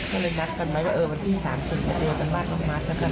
ก็เลยนัดกันไหมว่าวันที่๓๐เดี๋ยวกันบ้างน้องนัดกันลูกมัน